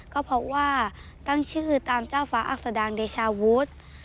ก็เพราะว่าตั้งชื่อตามเจ้าฟ้าอัศดังเดชาวุฒิ